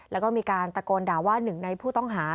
แล้วก็มีการตะโกนด่าว่าหนึ่งในผู้ต้องหา